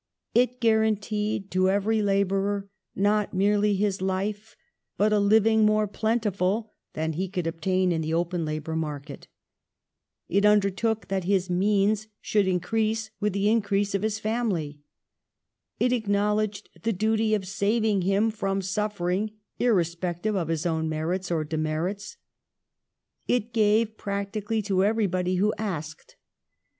" It guaranteed to every labourer not merely his life, but a living more plentiful than he could obtain in the open labour mai'ket. It undertook that his means should increase with the increase of his family. It acknowledged the duty of saving him from suffering irrespective of his own merits or demerits. It gave practically to everybody who asked.